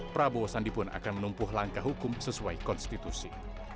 prabowo sandi pun akan menumpuh langkah hukum sesuai konstitusi